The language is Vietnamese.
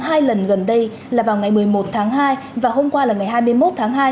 hai lần gần đây là vào ngày một mươi một tháng hai và hôm qua là ngày hai mươi một tháng hai